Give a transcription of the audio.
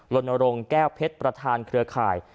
ลนรงค์แก้วเพชรประธานเครือข่าย